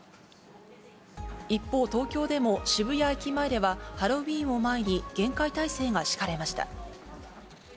一方、東京でも渋谷駅前では、ハロウィーンを前に、厳戒態勢が敷かれました。